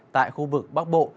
tại khu vực bắc bộ